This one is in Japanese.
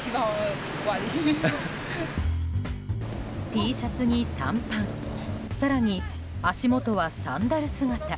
Ｔシャツに短パン更に、足元はサンダル姿。